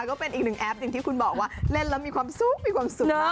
ก็เป็นอีกหนึ่งแอปที่คุณบอกว่าเล่นแล้วมีความสุขนะ